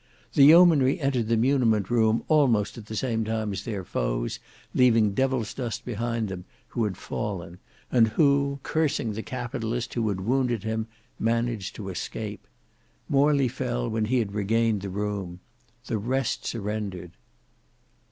The yeomanry entered the muniment room almost at the same time as their foes, leaving Devilsdust behind them, who had fallen, and who cursing the Capitalist who had wounded him managed to escape. Morley fell when he had regained the room. The rest surrendered.